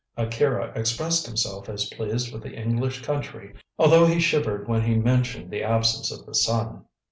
Akira expressed himself as pleased with the English country, although he shivered when he mentioned the absence of the sun.